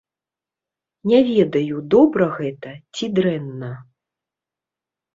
Не ведаю, добра гэта, ці дрэнна.